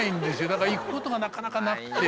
だから行くことがなかなかなくて。